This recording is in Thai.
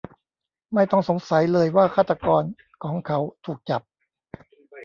ไม่ต้องสงสัยเลยว่าฆาตกรของเขาถูกจับ